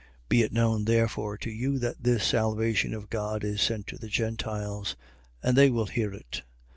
28:28. Be it known therefore to you that this salvation of God is sent to the Gentiles: and they will hear it.